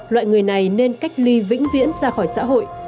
loại người này nên cách ly vĩnh viễn ra khỏi xã hội